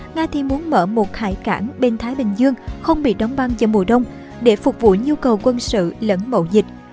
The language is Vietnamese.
nga thì muốn mở một hải cảng bên thái bình dương không bị đóng băng cho mùa đông để phục vụ nhu cầu quân sự lẫn mậu dịch